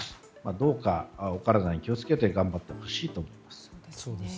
どうか、お体に気をつけて頑張ってほしいと思います。